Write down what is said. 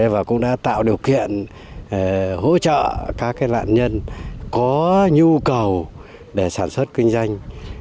và cũng đã tạo điều kiện hỗ trợ các nạn nhân có nhu cầu để sản xuất kinh doanh